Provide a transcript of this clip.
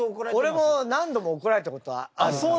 俺も何度もおこられたことあるから。